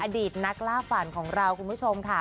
อดีตนักล่าฝันของเราคุณผู้ชมค่ะ